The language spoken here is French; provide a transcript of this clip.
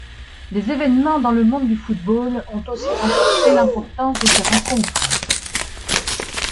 Des évènements dans le monde du football ont aussi renforcé l'importance de ces rencontres.